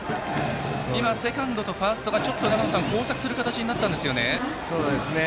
今、セカンドとファーストが交錯する形になりましたね。